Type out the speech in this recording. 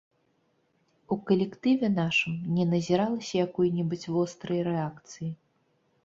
У калектыве нашым не назіралася якой-небудзь вострай рэакцыі.